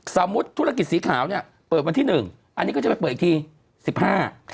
สมมุติธุรกิจสีขาวเนี่ยเปิดวันที่๑อันนี้ก็จะไปเปิดอีกที๑๕